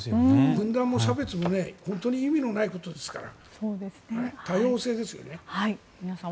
分断も差別も意味のないことですから。